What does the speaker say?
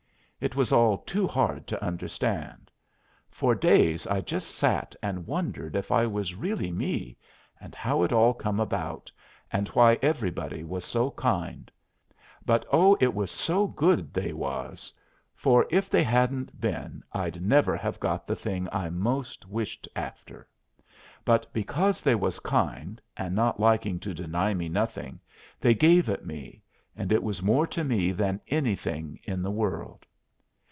It was all too hard to understand. For days I just sat and wondered if I was really me, and how it all come about, and why everybody was so kind. But oh, it was so good they was, for if they hadn't been I'd never have got the thing I most wished after. But, because they was kind, and not liking to deny me nothing, they gave it me, and it was more to me than anything in the world.